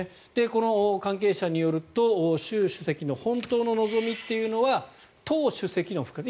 この関係者によると習主席の本当の望みというのは党主席の復活